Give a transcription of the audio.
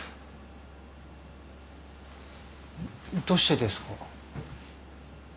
どうしてですか？